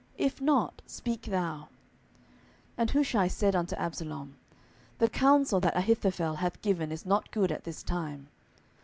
if not; speak thou. 10:017:007 And Hushai said unto Absalom, The counsel that Ahithophel hath given is not good at this time.